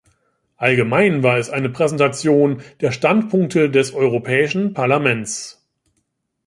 Allgemein war es eine Präsentation der Standpunkte des Europäischen Parlaments.